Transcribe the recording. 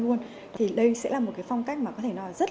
luôn thì đây sẽ là một cái phong cách mà có thể nói rất